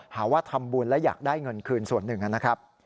หาว่าทำบุญและอยากได้เงินคืนส่วนหนึ่งนะครับ